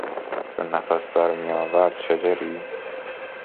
چون نفس بر میآورد شجری؟